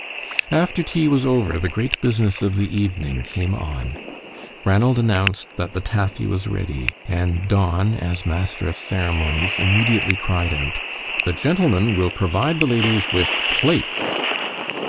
After tea was over the great business of the evening came on. Ranald announced that the taffy was ready, and Don, as master of ceremonies, immediately cried out: "The gentlemen will provide the ladies with plates."